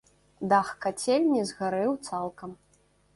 Дах кацельні згарэў цалкам.